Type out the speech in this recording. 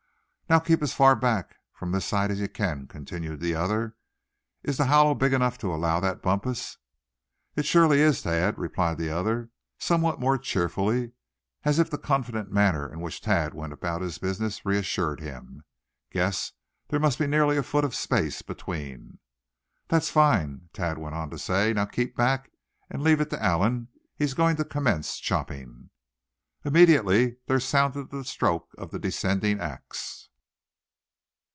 "Now keep as far back from this side as you can," continued the other. "Is the hollow big enough to allow that, Bumpus?" "It surely is, Thad," replied the other, somewhat more cheerfully, as if the confident manner in which Thad went about his business reassured him. "Guess there must be nearly a foot of space between." "That's fine," Thad went on to say; "now keep back, and leave it all to Allan. He's going to commence chopping." Immediately there sounded the stroke of the descending ax.